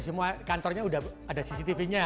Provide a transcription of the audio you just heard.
semua kantornya sudah ada cctv nya